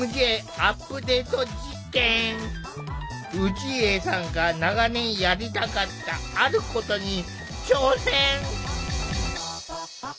氏家さんが長年やりたかった「あること」に挑戦！